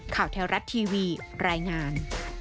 ข่าวแท้วรัฐทีวีรายงาน